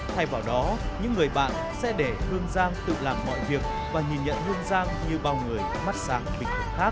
thay vào đó những người bạn sẽ để hương giang tự làm mọi việc và nhìn nhận hương giang như bao người mắt sáng bình thường khác